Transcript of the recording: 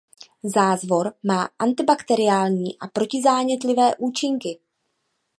Zázvor má antibakteriální a protizánětlivé účinky.